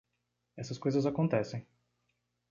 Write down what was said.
Essas coisas acontecem.